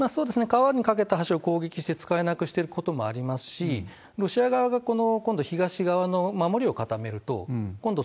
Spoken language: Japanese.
川に架けた橋を攻撃して使えなくしてることもありますし、ロシア側が今度東側の守りを固めると、今度、